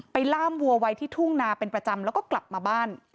ล่ามวัวไว้ที่ทุ่งนาเป็นประจำแล้วก็กลับมาบ้าน